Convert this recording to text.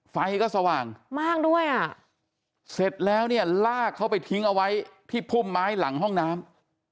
ไฟก็สว่างมากด้วยอ่ะเสร็จแล้วเนี่ยลากเขาไปทิ้งเอาไว้ที่พุ่มไม้หลังห้องน้ำ